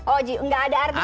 oh enggak ada artinya